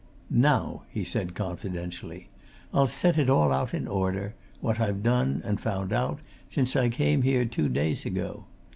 "Now," he said confidentially, "I'll set it all out in order what I've done and found out since I came here two days ago.